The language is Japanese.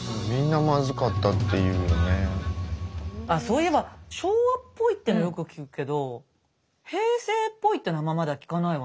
そういえば昭和っぽいっていうのよく聞くけど平成っぽいっていうのあんままだ聞かないわね。